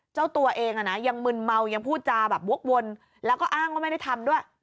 เจ้าตัวเองอ่ะนะยังมึนเมายังพูดจาแบบวกวนแล้วก็อ้างว่าไม่ได้ทำด้วย